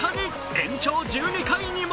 延長１２回にも